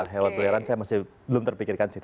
hewan peliharaan saya masih belum terpikirkan sih